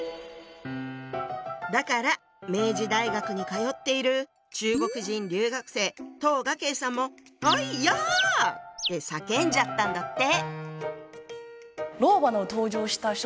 だから明治大学に通っている中国人留学生董雅馨さんもアイヤッて叫んじゃったんだって！